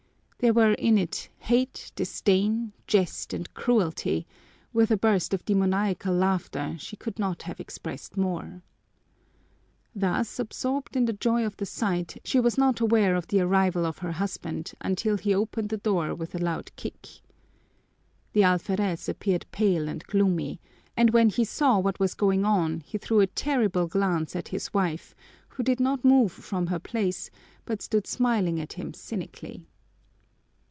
There were in it hate, disdain, jest, and cruelty; with a burst of demoniacal laughter she could not have expressed more. Thus, absorbed in the joy of the sight, she was not aware of the arrival of her husband until he opened the door with a loud kick. The alferez appeared pale and gloomy, and when he saw what was going on he threw a terrible glance at his wife, who did not move from her place but stood smiling at him cynically.